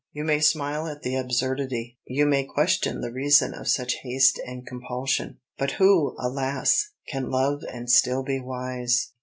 You may smile at the absurdity, you may question the reason of such haste and compulsion. "But who, alas! can love and still be wise?"